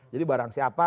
jadi barang siapa